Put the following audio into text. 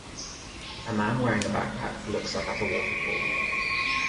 A man wearing a backpack looks up at a waterfall.